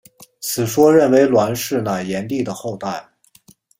此说认为栾氏乃炎帝的后代。